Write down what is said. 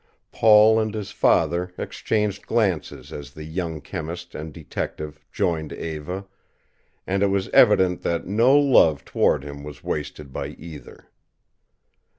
Paul and his father exchanged glances as the young chemist and detective joined Eva, and it was evident that no love toward him was wasted by either.